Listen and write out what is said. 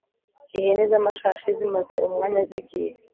ihene z'amashashi zimaze umwanya zigiye